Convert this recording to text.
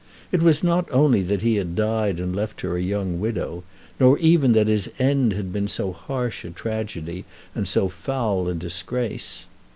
It was not only that he had died and left her a young widow; nor even that his end had been so harsh a tragedy and so foul a disgrace!